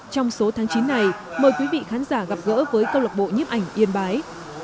trong số tháng chín này mời quý vị khán giả gặp gỡ với câu lộc bộ nhiếp ảnh yên bái